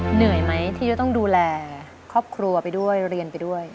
เหนื่อยไหมที่จะต้องดูแลครอบครัวไปด้วยเรียนไปด้วย